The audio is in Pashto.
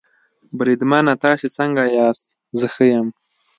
بریدمنه تاسې څنګه یاست؟ زه ښه یم.